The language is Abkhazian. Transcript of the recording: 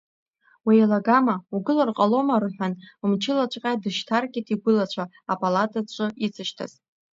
Уеилагама, угылар ҟалома, — рҳәан, мчылаҵәҟьа дышьҭаркит игәылацәа, апалатаҿы ицышьҭаз.